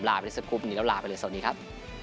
ลาไปสักครู่นี้แล้วลาไปเลยสวัสดีครับ